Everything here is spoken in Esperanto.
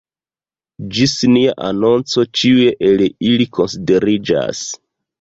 Ĝis nia anonco ĉiuj el ili konsideriĝas.